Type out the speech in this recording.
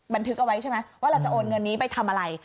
บันทึกเอาไว้ใช่ไหมว่าเราจะโอนเงินนี้ไปทำอะไร